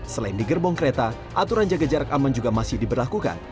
selain di gerbong kereta aturan jaga jarak aman juga masih diberlakukan